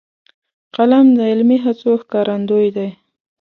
قلم د علمي هڅو ښکارندوی دی